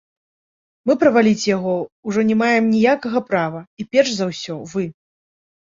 Мы праваліць яго ўжо не маем ніякага права і перш за ўсё вы.